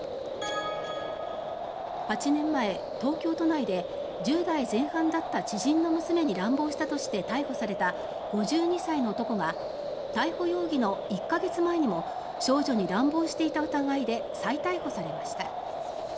８年前、東京都内で１０代前半だった知人の娘に乱暴したとして逮捕された５２歳の男が逮捕容疑の１か月前にも少女に乱暴していた疑いで再逮捕されました。